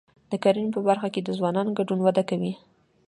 د کرنې په برخه کې د ځوانانو ګډون وده کوي.